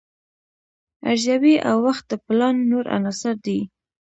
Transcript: ارزیابي او وخت د پلان نور عناصر دي.